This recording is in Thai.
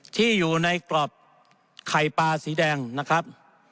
ที่อยู่ในกรอบไข่ปลาสีแดงนะครับ